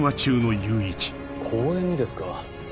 公園にですか？